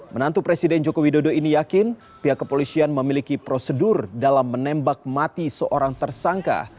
menantu presiden joko widodo ini yakin pihak kepolisian memiliki prosedur dalam menembak mati seorang tersangka